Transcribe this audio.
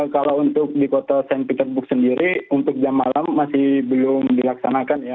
kalau untuk di kota st peterbook sendiri untuk jam malam masih belum dilaksanakan ya